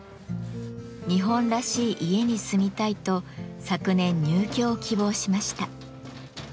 日本らしい家に住みたいと昨年入居を希望しました。